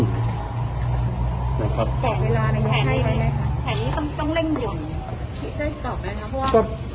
บอกเวลาหน่อยให้ไหมคะแผ่นนี้ต้องต้องเร่งหยุดคิดได้ตอบอะไรนะเพราะว่า